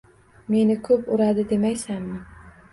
Meni ko'p uradi demaysanmi?